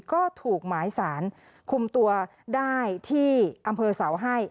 ก็ถูกหมายสารคุมตัวได้ที่อำเภอเสาให้